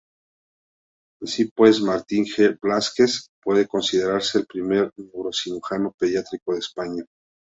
Así pues Martín G. Blázquez puede considerarse el primer neurocirujano pediátrico de España.